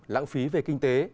lãng phí về kinh tế